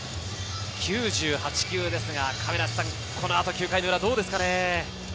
９８球ですが、この後、９回裏どうですかね。